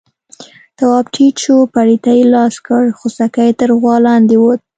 تواب ټيټ شو، پړي ته يې لاس کړ، خوسکی تر غوا لاندې ووت.